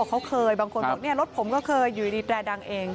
เขาเคยบางคนบอกรถผมก็เคยอยู่ดีแตรดังเอง